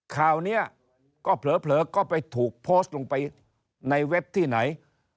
ข่าวนี้ก็เผลอก็ไปถูกโพสต์ลงไปในเว็บที่ไหน